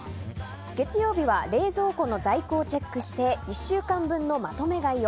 月曜日は冷蔵庫の在庫をチェックして１週間分のまとめ買いを。